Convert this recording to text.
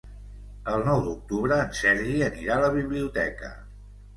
El nou d'octubre en Sergi anirà a la biblioteca.